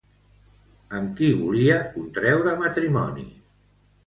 Amb qui volia contreure matrimoni?